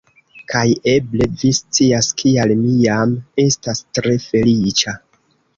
Kaj eble vi scias kial mi jam estas tre feliĉa